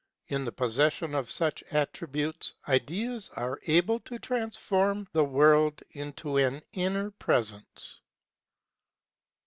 In the possession of such attributes, ideas are able to transform the world into an inner presence.